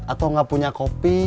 atau nggak punya kopi